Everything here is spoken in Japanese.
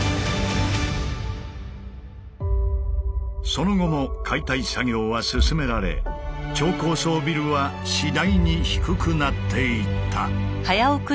その後も解体作業は進められ超高層ビルは次第に低くなっていった。